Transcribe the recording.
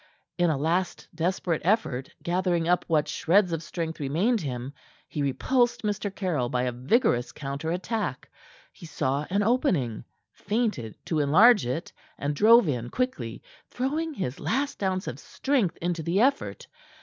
In a last desperate effort, gathering up what shreds of strength remained him, he repulsed Mr. Caryll by a vigorous counter attack. He saw an opening, feinted to enlarge it, and drove in quickly, throwing his last ounce of strength into the effort.